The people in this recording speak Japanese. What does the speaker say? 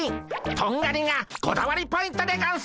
トンガリがこだわりポイントでゴンス。